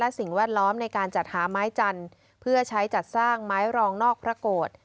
สิ่งแวดล้อมในการจัดหาไม้จันทร์เพื่อใช้จัดสร้างไม้รองนอกพระโกรธ